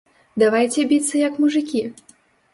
Давайце біцца як мужыкі!?